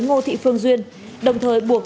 ngô thị phương duyên đồng thời buộc